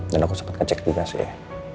dan aku sempat ngecek juga sih